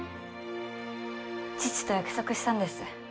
父と約束したんです。